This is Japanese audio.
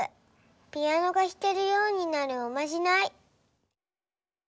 ピアノがひけるようになるおまじない。